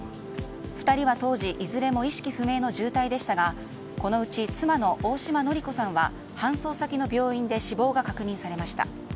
２人は当時、いずれも意識不明の重体でしたがこのうち、妻の大島典子さんは搬送先の病院で死亡が確認されました。